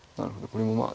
これもまあ